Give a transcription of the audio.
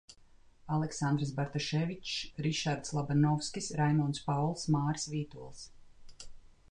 Aleksandrs Bartaševičs, Rišards Labanovskis, Raimonds Pauls, Māris Vītols.